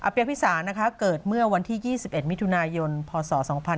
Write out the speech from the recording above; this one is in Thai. อเปี๊ยกพิษาเกิดเมื่อวันที่๒๑มิถุนายนพศ๒๔๘๘